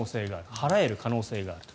払える可能性があると。